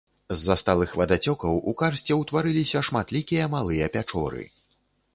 З-за сталых вадацёкаў у карсце ўтварыліся шматлікія малыя пячоры.